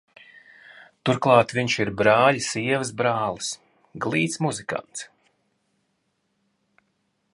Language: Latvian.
Turklāt viņš ir brāļa sievas brālis - glīts, muzikants!